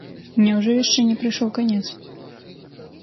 Няўжо яшчэ не прыйшоў канец?